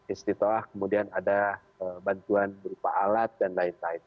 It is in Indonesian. istiqa ah kemudian ada bantuan berupa alat dan lain lain